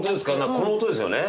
この音ですよね？